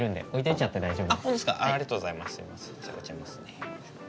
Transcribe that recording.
じゃあ置いちゃいますね。